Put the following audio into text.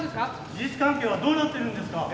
・事実関係はどうなってますか？